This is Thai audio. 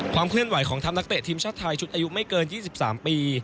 เคลื่อนไหวของทัพนักเตะทีมชาติไทยชุดอายุไม่เกิน๒๓ปี